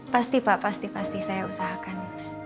pasti pak pasti pasti saya usahakan